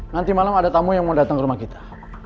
nanti malam ada tamu yang mau datang ke rumah kita